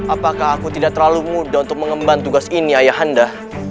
apakah aku tidak terlalu mudah untuk mengembang tugas ini ayah anda